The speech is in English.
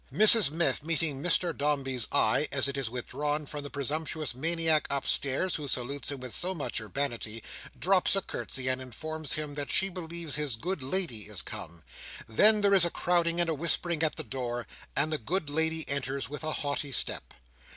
Mrs Miff, meeting Mr Dombey's eye as it is withdrawn from the presumptuous maniac upstairs, who salutes him with so much urbanity, drops a curtsey, and informs him that she believes his "good lady" is come. Then there is a crowding and a whispering at the door, and the good lady enters, with a haughty step.